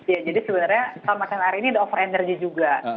ya jadi sebenarnya tahun macan air ini ada over energy juga